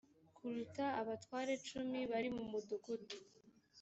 kuruta abatware cumi bari mu mudugudu